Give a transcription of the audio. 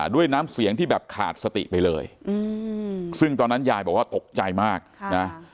ด้วยน้ำเสียงที่แบบขาดสติไปเลยซึ่งตอนนั้นยายบอกว่าตกใจมากนะ